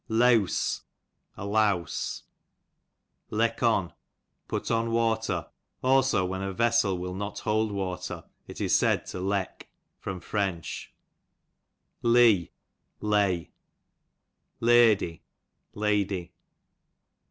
Leawse, a louse. Leek on, put on water ; also when a vessel will not hold water ^ is said to leek. A. 8. Lee, lay^ Ledy, lady.